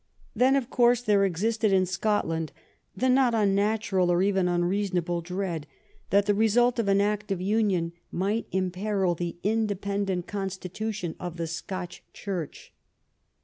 Then, of course, there existed in Scotland the not unnatural or even unreasonable dread that the result of an act of 174 THE UNION WITH SCOTLAND union might imperil the independent constitution of the Scotch Church.